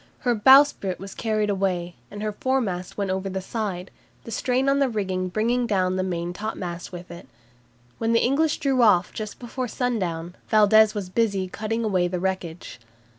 Her bowsprit was carried away, and her foremast went over the side, the strain on the rigging bringing down the main topmast with it. When the English drew off just before sundown, Valdes was busy cutting away the wreckage.